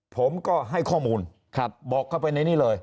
ผมก็ให้ข้อมูลบอกเข้าไปในนี้เลย